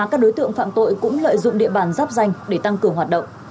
các đối tượng phạm tội cũng lợi dụng địa bàn giáp danh để tăng cường hoạt động